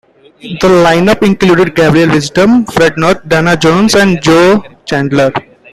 The lineup included Gabriel Wisdom, Fred Nurk, Dana Jones, and Joe Chandler.